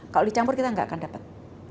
kalau dicampur kita nggak akan dapat